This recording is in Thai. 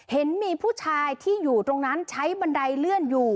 เห็นมีผู้ชายที่อยู่ตรงนั้นใช้บันไดเลื่อนอยู่